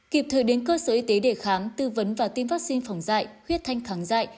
kịp thời đến cơ sở y tế để khám tư vấn và tiêm vaccine phòng dạy huyết thanh thắng dại